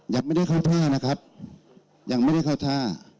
ยังไม่ได้เข้าท่านะครับยังไม่ได้เข้าท่า